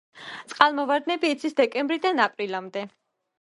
წყალმოვარდნები იცის დეკემბრიდან აპრილამდე.